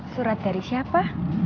surat dari siapa